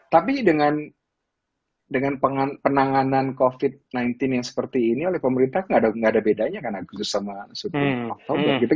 tapi dengan penanganan covid sembilan belas yang seperti ini oleh pemerintah nggak ada bedanya kan agustus sama oktober gitu